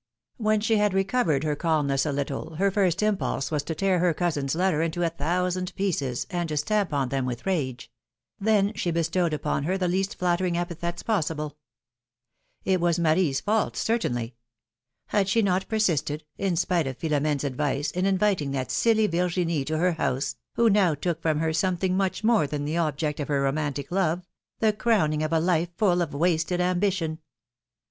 When she had recovered her calmness a little, her first impulse was to tear her cousin's letter into a thousand pieces and to stamp on them with rage ; then she bestowed upon her the least flattering epithets possible. It was philomMe^s marriages. 319 Marie's faulty certainly. Had she not persisted, in spite of Philoinene's advice, in inviting that silly Virginie to her house, who now took from her something much more than the object of her romantic love — the crowning of a life full of wasted ambition